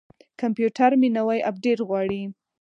کمپیوټر مې نوی اپډیټ غواړي.